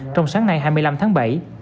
trong sáng nay hai mươi năm tháng bảy